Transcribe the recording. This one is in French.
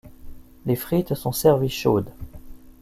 Les frites sont servies chaudes.